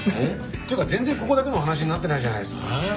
っていうか全然ここだけの話になってないじゃないですか。